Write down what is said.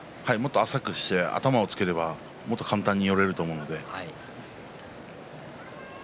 浅くして頭をつければもっと簡単に寄れると思うので。